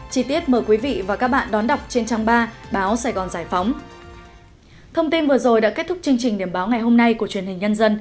chí tiết mời quý vị và các bạn đón đọc trên trang ba báo sài gòn giải phóng